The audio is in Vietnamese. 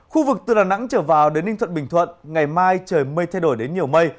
khu vực từ đà nẵng trở vào đến ninh thuận bình thuận ngày mai trời mây thay đổi đến nhiều mây